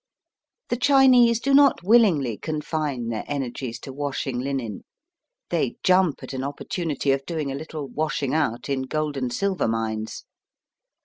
The Chinese do not willingly confine their energies to washing linen. They jump at an opportunity of doing a little washing out in gold and silver mines.